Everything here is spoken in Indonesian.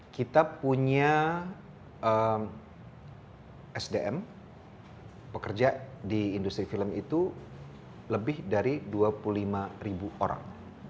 kita punya sdm pekerja di industri film itu lebih dari dua puluh lima ribu orang